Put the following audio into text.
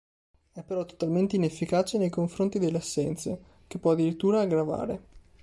È però totalmente inefficace nei confronti delle assenze, che può addirittura aggravare.